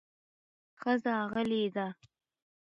ښځه غلې ده